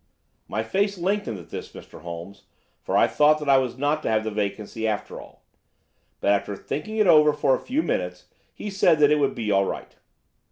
"My face lengthened at this, Mr. Holmes, for I thought that I was not to have the vacancy after all; but after thinking it over for a few minutes he said that it would be all right.